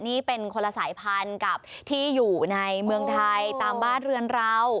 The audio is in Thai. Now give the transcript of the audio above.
นี่เป็นคนละสายพันธุ์กับที่อยู่ในเมืองไทยตามบ้านเรือนเรา